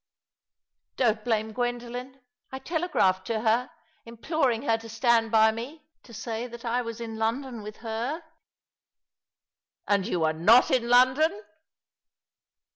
'* Don't blame Gwendolen. I telegraphed to her, implor ing her to stand by me — to say that I was in London with her." " And yon were not in London